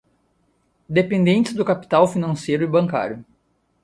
dependentes do capital financeiro e bancário